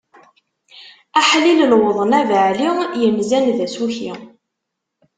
Aḥlil lewḍen abaɛli, yenzan d asuki!